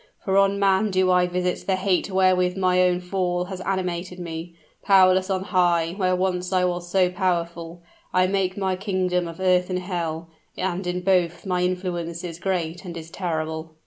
For on man do I visit the hate wherewith my own fall has animated me; powerless on high, where once I was so powerful, I make my kingdom of earth and hell and in both my influence is great and is terrible!"